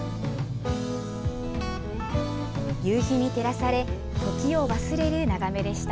夕日に照らされ、時を忘れる眺めでした。